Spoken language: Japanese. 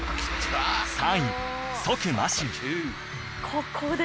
ここで。